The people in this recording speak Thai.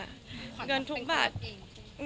เงินต้องบาททุกบาททุกสตังค์